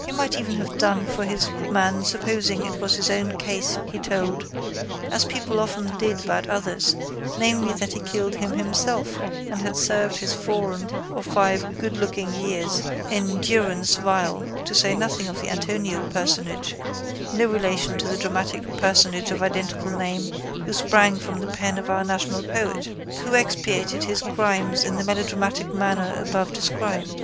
He might even have done for his man supposing it was his own case he told, as people often did about others, namely, that he killed him himself and had served his four or five goodlooking years in durance vile to say nothing of the Antonio personage (no relation to the dramatic personage of identical name who sprang from the pen of our national poet) who expiated his crimes in the melodramatic manner above described.